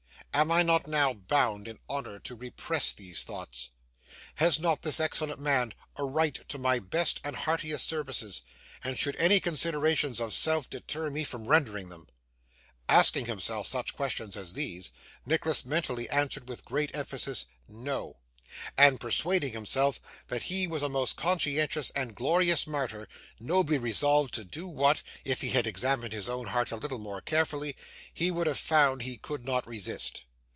Am I not now bound in honour to repress these thoughts? Has not this excellent man a right to my best and heartiest services, and should any considerations of self deter me from rendering them?' Asking himself such questions as these, Nicholas mentally answered with great emphasis 'No!' and persuading himself that he was a most conscientious and glorious martyr, nobly resolved to do what, if he had examined his own heart a little more carefully, he would have found he could not resist.